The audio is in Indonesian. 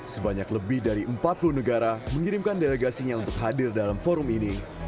sebanyak lebih dari empat puluh negara mengirimkan delegasinya untuk hadir dalam forum ini